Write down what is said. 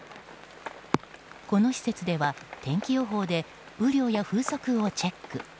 この施設では天気予報で雨量や風速をチェック。